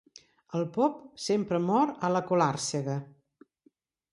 El pop sempre mor a la colàrsega.